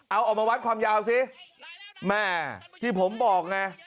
เอาออกมาวัดความยาวสิแม่ที่ผมบอกไง